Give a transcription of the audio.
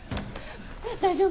大丈夫？